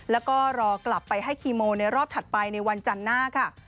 แล้วก็รอกลับไปให้คีโมในรอบถัดไปในวันจันทร์หน้าค่ะ